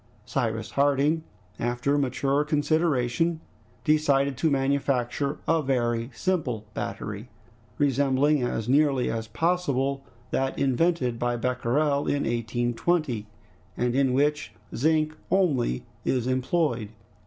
Cyrus Harding, after mature consideration, decided to manufacture a very simple battery, resembling as nearly as possible that invented by Becquerel in 1820, and in which zinc only is employed.